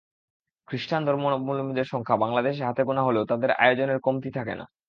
খ্রিস্টান ধর্মালম্বিদের সংখ্যা বাংলাদেশে হাতে গোনা হলেও তাঁদের আয়োজনের কমতি থাকে না।